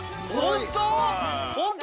本当？